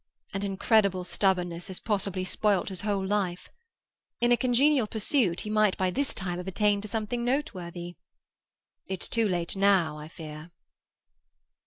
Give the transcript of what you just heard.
An incredible stubbornness has possibly spoilt his whole life. In a congenial pursuit he might by this time have attained to something noteworthy. It's too late now, I fear."